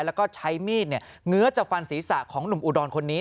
แล้วก็ใช้มีดเงื้อจะฟันศีรษะของหนุ่มอุดรคนนี้